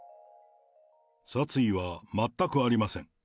殺意は全くありません。